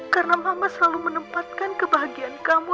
karena mama selalu menempatkan kebahagiaan kamu